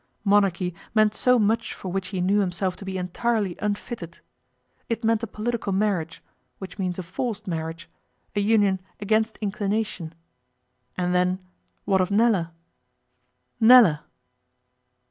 Monarchy meant so much for which he knew himself to be entirely unfitted. It meant a political marriage, which means a forced marriage, a union against inclination. And then what of Nella Nella!